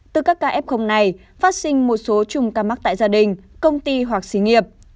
từ các ca f này phát sinh một số chung ca mắc tại gia đình công ty hoặc xí nghiệp